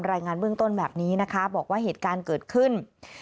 รายงานเบื้องต้นแบบนี้นะคะบอกว่าเหตุการณ์เกิดขึ้น